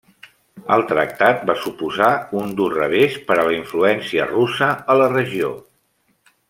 El tractat va suposar un dur revés per a la influència russa a la regió.